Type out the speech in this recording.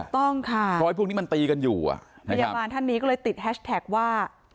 ถูกต้องค่ะพยาบาลท่านนี้ก็เลยติดแฮชแท็กว่า